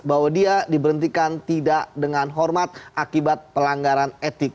bahwa dia diberhentikan tidak dengan hormat akibat pelanggaran etik